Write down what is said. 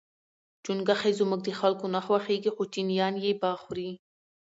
چونګښي زموږ د خلکو نه خوښیږي خو چینایان یې با خوري.